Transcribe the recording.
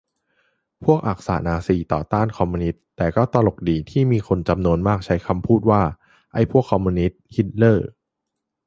พวกอักษะ-นาซี ต่อต้าน คอมมิวนิสต์ แต่ก็ตลกดี ที่มีคนจำนวนมากใช้คำพูดว่า "ไอ้พวกคอมมิวนิสต์-ฮิตเลอร์"